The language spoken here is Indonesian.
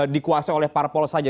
dikuasa oleh parpol saja